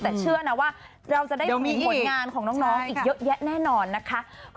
แต่เชื่อนะว่าเราจะได้มีผลงานของน้องอีกเยอะแยะแน่นอนนะคะ